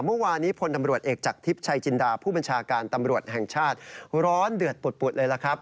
เมื่อวานนี้พลตำรวจเอกจากทิพย์ชัยจินดาผู้บัญชาการตำรวจแห่งชาติร้อนเดือดปุดเลยล่ะครับ